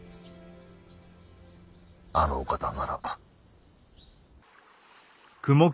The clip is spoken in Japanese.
あのお方ならば。